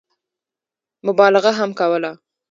مبالغه هم کوله.